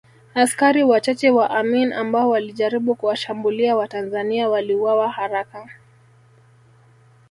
Askari wachache wa Amin ambao walijaribu kuwashambulia Watanzania waliuawa haraka